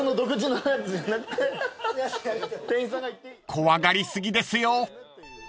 ［怖がり過ぎですよ］